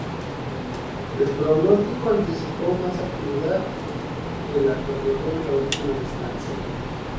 El pronóstico anticipó más actividad que la que ocurrió en última instancia.